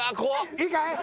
いいかい？